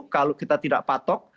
kalau kita tidak patok